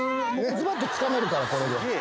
ズバっとつかめるからこれで。